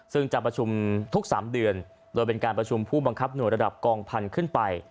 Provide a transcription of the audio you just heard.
ซึ่งจะประชุมทุก๓เดือนโดยเป็นการประชุมผู้บังคับหน่วยระดับกองพันธุ์ขึ้นไป